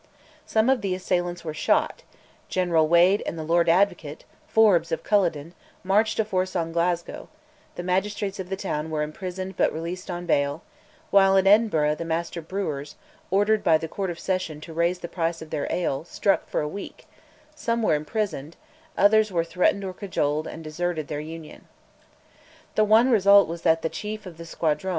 Some of the assailants were shot: General Wade and the Lord Advocate, Forbes of Culloden, marched a force on Glasgow, the magistrates of the town were imprisoned but released on bail, while in Edinburgh the master brewers, ordered by the Court of Session to raise the price of their ale, struck for a week; some were imprisoned, others were threatened or cajoled and deserted their Union.